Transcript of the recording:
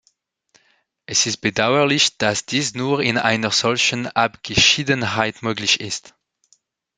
Es ist bedauerlich, dass dies nur in einer solchen Abgeschiedenheit möglich ist.